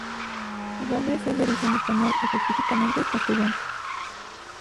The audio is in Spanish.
Gomez es de origen español, específicamente castellano.